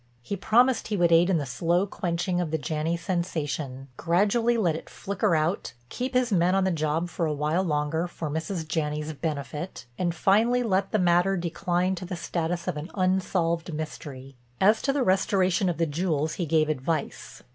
He promised he would aid in the slow quenching of the Janney sensation, gradually let it flicker out, keep his men on the job for a while longer for Mrs. Janney's benefit, and finally let the matter decline to the status of an "unsolved mystery." As to the restoration of the jewels he gave advice.